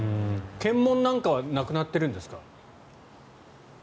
検問なんかはなくなっているんですか？